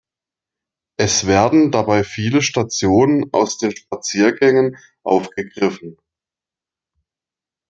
Es werden dabei viele Stationen aus den Spaziergängen aufgegriffen.